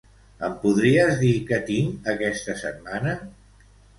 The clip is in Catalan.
Em podries dir què tinc aquesta setmana?